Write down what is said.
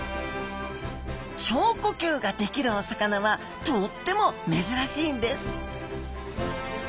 腸呼吸ができるお魚はとっても珍しいんです